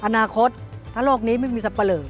อนาคตถ้าโลกนี้ไม่มีสับปะเลอ